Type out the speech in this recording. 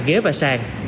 ghế và sàn